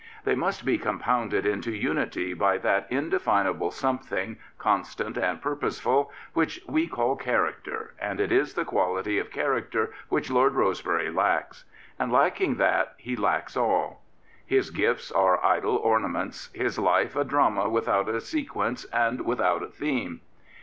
They must be compounded into unity by that in definable something, constant and purposeful, which we call character, and it is the quality of character which Lord Rosebery lacks. And lacking that he lacks all. His gifts are idle ornaments; his life a drama without a sequence and without a theme.